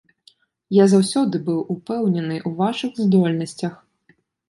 Я заўсёды быў упэўнены ў вашых здольнасцях.